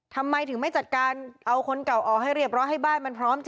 ทำไมถึงไม่จัดการเอาคนเก่าออกให้เรียบร้อย